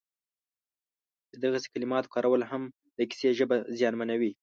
د دغسې کلماتو کارول هم د کیسې ژبه زیانمنوي